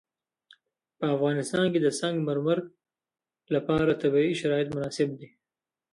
په افغانستان کې د سنگ مرمر لپاره طبیعي شرایط مناسب دي.